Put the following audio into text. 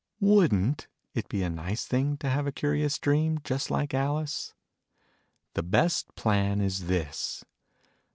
TVouldnt it be a nice thing to have a curious dream, just like Alice ? The best plan is this.